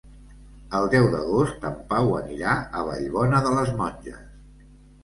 El deu d'agost en Pau anirà a Vallbona de les Monges.